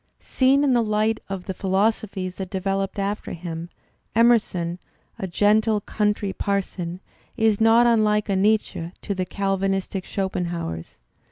Seen in the light of the philosophies that developed after him, Emerson, a gentle country parson, is not unlike a Nietzsche to the Cal . vanistic Schopenhauers.